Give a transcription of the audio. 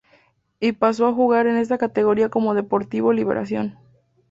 Y pasó a jugar en esa categoría como Deportivo Liberación.